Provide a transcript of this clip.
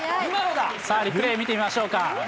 さあ、リプレー見てみましょうか。